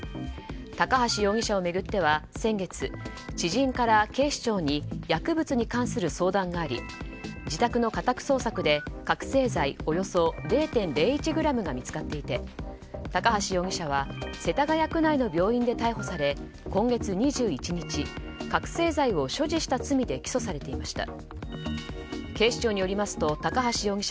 高橋容疑者を巡っては先月、知人から警視庁に薬物に関する相談があり自宅の家宅捜索で覚醒剤およそ０．０１ｇが見つかっていて、高橋容疑者は世田谷区内の病院で逮捕され今月２１日覚醒剤を所持した罪で起訴されていました。